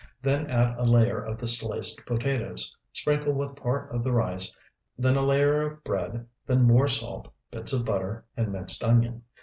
Then add a layer of the sliced potatoes, sprinkle with part of the rice, then a layer of bread, then more salt, bits of butter, and minced onion.